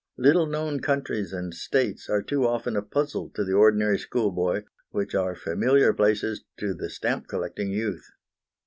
Little known countries and states are too often a puzzle to the ordinary schoolboy, which are familiar places to the stamp collecting youth.